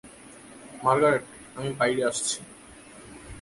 Margaret, আমি বাইরে আসছি।